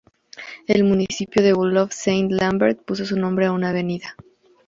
El municipio de Woluwe-Saint-Lambert puso su nombre a una avenida.